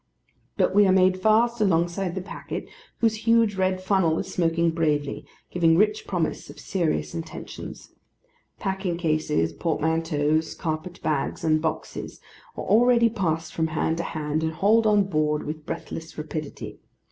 But we are made fast alongside the packet, whose huge red funnel is smoking bravely, giving rich promise of serious intentions. Packing cases, portmanteaus, carpet bags, and boxes, are already passed from hand to hand, and hauled on board with breathless rapidity.